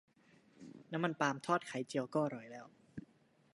น้ำมันปาล์มทอดไข่เจียวก็อร่อยแล้ว